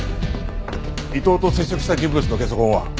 伊藤と接触した人物のゲソ痕は？